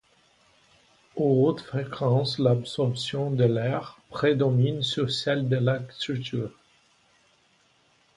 Aux hautes fréquences, l'absorption de l'air prédomine sur celle de la structure.